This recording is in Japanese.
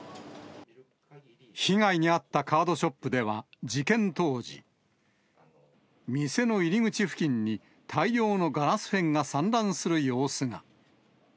被害に遭ったカードショップでは、事件当時、店の入り口付近に大量のガラス片が散乱する様子が。